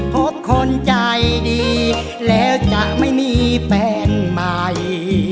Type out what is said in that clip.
พบคนใจดีแล้วจะไม่มีแฟนใหม่